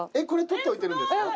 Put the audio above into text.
これ取っておいてるんですか？